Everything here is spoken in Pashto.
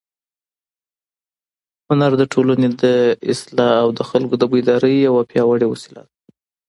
هنر د ټولنې د اصلاح او د خلکو د بیدارۍ یوه پیاوړې وسیله ده.